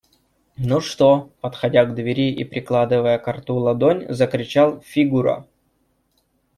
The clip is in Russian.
– Ну что? – подходя к двери и прикладывая ко рту ладонь, закричал Фигура.